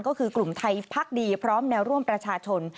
ก็คือกลุ่มไทยพักดีพร้อมแนวร่วมประชาชน